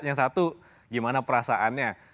yang satu gimana perasaannya